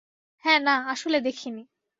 হ্যাঁ, না, আসলে দেখিনি।